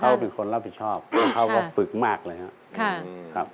เขาเป็นคนรับผิดชอบเขาก็ฝึกมากเลยครับ